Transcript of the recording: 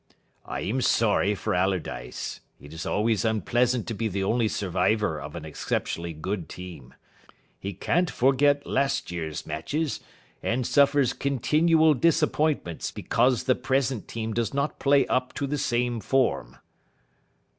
"I am sorry for Allardyce. It is always unpleasant to be the only survivor of an exceptionally good team. He can't forget last year's matches, and suffers continual disappointments because the present team does not play up to the same form."